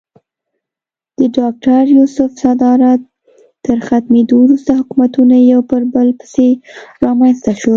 د ډاکټر یوسف صدارت تر ختمېدو وروسته حکومتونه یو پر بل پسې رامنځته شول.